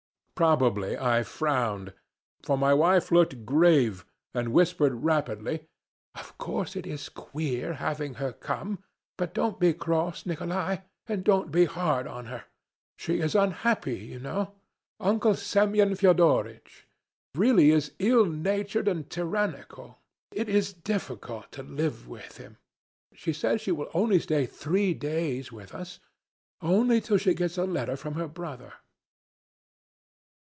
Probably I frowned, for my wife looked grave and whispered rapidly: "Of course it is queer her having come, but don't be cross, Nikolay, and don't be hard on her. She is unhappy, you know; Uncle Semyon Fyodoritch really is ill natured and tyrannical, it is difficult to live with him. She says she will only stay three days with us, only till she gets a letter from her brother."